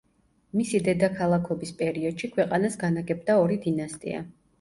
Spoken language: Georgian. მისი დედაქალაქობის პერიოდში ქვეყანას განაგებდა ორი დინასტია.